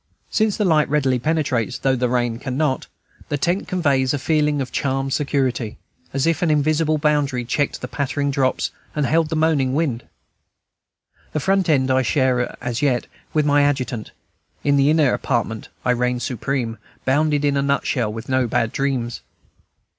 Since the light readily penetrates, though the rain cannot, the tent conveys a feeling of charmed security, as if an invisible boundary checked the pattering drops and held the moaning wind. The front tent I share, as yet, with my adjutant; in the inner apartment I reign supreme, bounded in a nutshell, with no bad dreams.